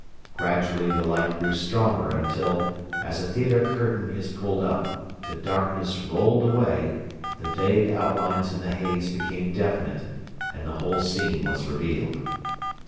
Gradually the light grew stronger until, as a theatre curtain is pulled up, the darkness rolled away, the vague outlines in the haze became definite, and the whole scene was revealed.